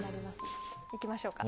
行きましょうか。